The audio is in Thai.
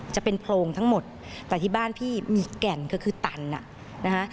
จะเป็นโพรงทั้งหมดแต่ที่บ้านพี่มีแก่นก็คือตันอ่ะนะคะ